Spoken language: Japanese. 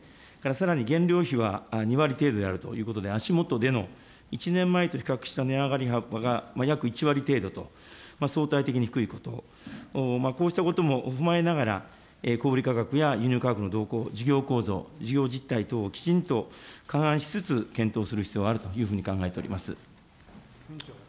さらに原料費は２割程度であるということで、足下での１年前と比較した値上がり幅が、約１割程度と、相対的に低いこと、こうしたことも踏まえながら、小売り価格や輸入価格の動向を、事業構造、事業実態等をきちんと勘案しつつ、検討する必要があると考えております。